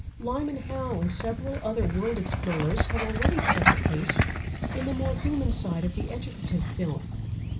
Lyman Howe and several other world explorers have already set the pace in the more human side of the educative film.